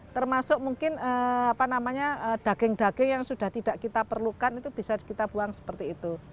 termasuk mungkin daging daging yang sudah tidak kita perlukan itu bisa kita buang seperti itu